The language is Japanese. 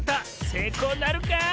せいこうなるか？